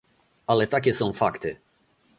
Ale takie są fakty